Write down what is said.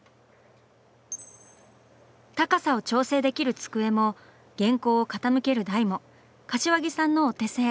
高さを調整できる机も原稿を傾ける台も柏木さんのお手製。